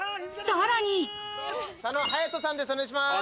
さらに。佐野勇斗さんです。